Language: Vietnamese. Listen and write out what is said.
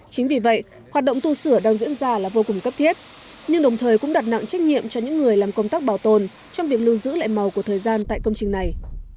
chính vì vậy hoạt động tu sửa đang diễn ra là vô cùng cấp thiết nhưng đồng thời cũng đặt nặng trách nhiệm cho những người làm công tác bảo tồn trong việc lưu giữ lại màu của thời gian tại công trình này